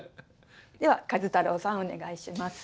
では壱太郎さんお願いします。